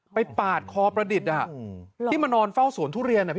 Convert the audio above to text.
ปาดคอประดิษฐ์ที่มานอนเฝ้าสวนทุเรียน